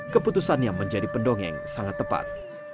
keputusan yang menjadi pendongeng sangat tepat